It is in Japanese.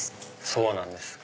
そうなんです。